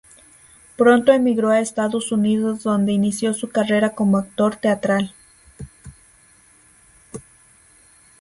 Pronto emigró a Estados Unidos donde inició su carrera como actor teatral.